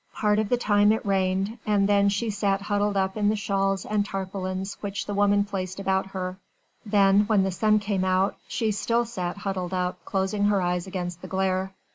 Part of the time it rained, and then she sat huddled up in the shawls and tarpaulins which the woman placed about her: then, when the sun came out, she still sat huddled up, closing her eyes against the glare.